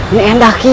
ini yang terjadi